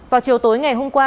vào chiều tối ngày hôm qua